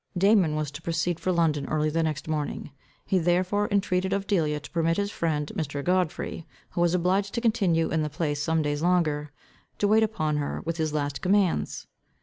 Damon was to proceed for London early the next morning. He therefore intreated of Delia to permit his friend Mr. Godfrey, who was obliged to continue in the place some days longer, to wait upon her with his last commands.